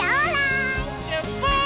しゅっぱつ！